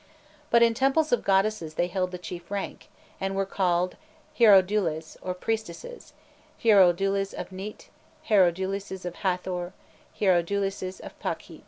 But in temples of goddesses they held the chief rank, and were called hierodules, or priestesses, hierodules of Nit, hierodules of Hâthor, hierodules of Pakhît.